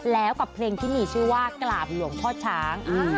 แล้วกับเพลงที่มีชื่อว่ากราบหลวงพ่อช้าง